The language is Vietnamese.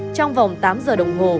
trong vòng tám giờ đồng hồ